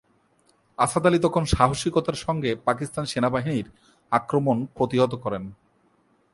আসাদ আলী তখন সাহসিকতার সঙ্গে পাকিস্তান সেনাবাহিনীর আক্রমণ প্রতিহত করেন।